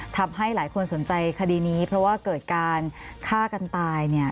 ทำให้หลายคนสนใจคดีนี้เพราะว่าเกิดการฆ่ากันตายเนี่ย